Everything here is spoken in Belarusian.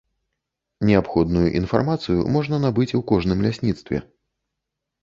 Неабходную інфармацыю можна набыць у кожным лясніцтве.